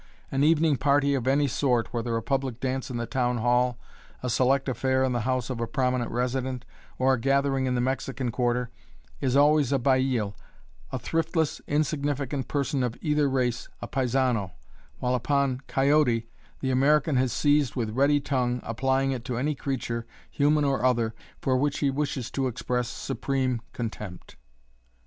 An evening party of any sort, whether a public dance in the town hall, a select affair in the house of a prominent resident, or a gathering in the Mexican quarter, is always a "baile," a thriftless, insignificant person of either race a "paisano," while upon "coyote" the American has seized with ready tongue, applying it to any creature, human or other, for which he wishes to express supreme contempt.